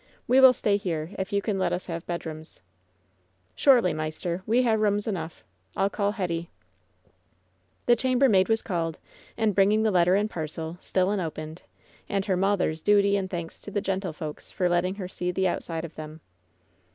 We "Will stay here, if you can let us have bedrooms." "Surely, maister, we ha' rooms enou^. I'll call Hetty." LOVE'S BITTEREST CUP 205 The chambermaid was called, and bringing the letter and parcel, still unopened, and her "mawther's^' duty and thanks to the gentlefolks for letting her see the out side of them.